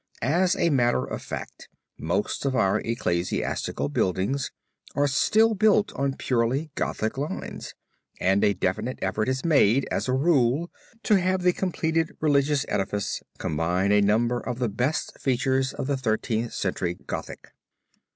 As a matter of fact, most of our ecclesiastical buildings are still built on purely Gothic lines, and a definite effort is made, as a rule, to have the completed religious edifice combine a number of the best features of Thirteenth Century Gothic.